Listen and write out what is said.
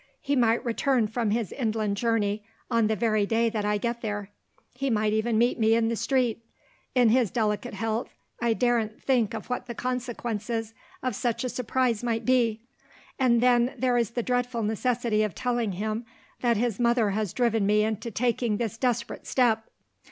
He might return from his inland journey, on the very day that I get there; he might even meet me in the street. In his delicate health I daren't think of what the consequences of such a surprise might be! And then there is the dreadful necessity of telling him, that his mother has driven me into taking this desperate step.